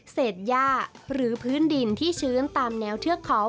เศษย่าหรือพื้นดินที่ชื้นตามแนวเทือกเขา